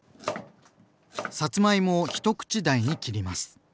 さつまいもを一口大に切ります。